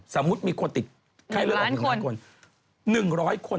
สมมุติมีคนติดไข้เลือดออก๑๐๐คน๑๐๐คน